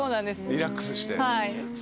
リラックスして。